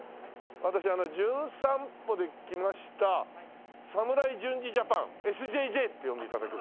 私あの『じゅん散歩』で来ました侍純次ジャパンＳＪＪって呼んで頂けると。